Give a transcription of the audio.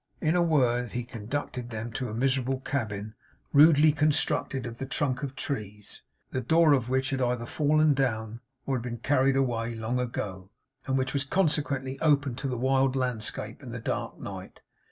In a word, he conducted them to a miserable cabin, rudely constructed of the trunks of trees; the door of which had either fallen down or been carried away long ago; and which was consequently open to the wild landscape and the dark night.